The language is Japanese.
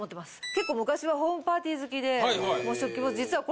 結構昔はホームパーティー好きでもう食器も実は。